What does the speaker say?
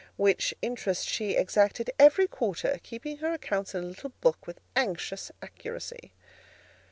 which interest she exacted every quarter, keeping her accounts in a little book with anxious accuracy.